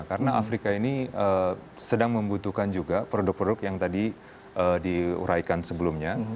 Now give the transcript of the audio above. karena afrika ini sedang membutuhkan juga produk produk yang tadi diuraikan sebelumnya